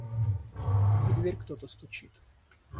В дверь кто-то стучит.